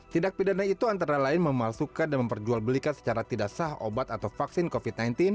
tindak pidana itu antara lain memalsukan dan memperjualbelikan secara tidak sah obat atau vaksin covid sembilan belas